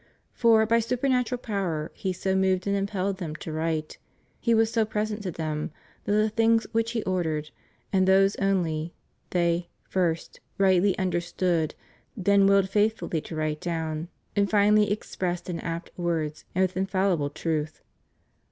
For, by supernatural power, He so moved and impelled them to write — He was so present to them — that the things which He ordered, and those only, they, first, rightly understood, then willed faithfully to write down, and finally expressed in apt words and with infallible truth.